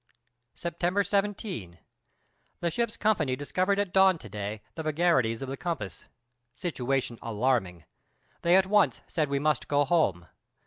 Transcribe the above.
September 17. The ship's company discovered at dawn to day the vagaries of the compass. Situation alarming. They at once said we must go home.